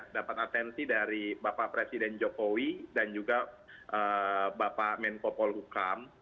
dapat atensi dari bapak presiden jokowi dan juga bapak menko polhukam